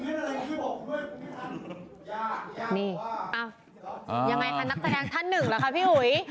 นักแสดงท่านหนึ่งแล้วค่ะพี่อุ๋ย